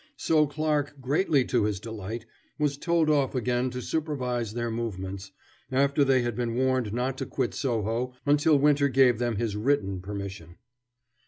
So Clarke, greatly to his delight, was told off again to supervise their movements, after they had been warned not to quit Soho until Winter gave them his written permission.